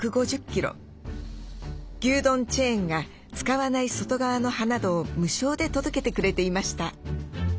牛丼チェーンが使わない外側の葉などを無償で届けてくれていました。